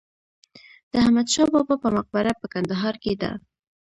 د احمدشاه بابا په مقبره په کندهار کې ده.